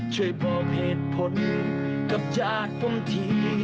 ช่วยบอกเหตุผลกับญาติผมที